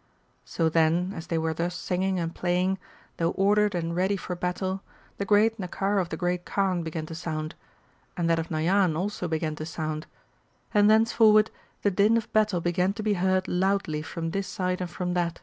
^ So then, as they were thus singing and playing, though ordered and ready for battle, the great Naccara of the Great Khan began to sound. And that of Nayan also began to sound. And thenceforward the din of battle began to be heard loudly from this side and from that.